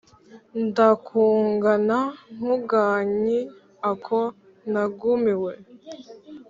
nd akugana nkuganyii-a ko nagumiwe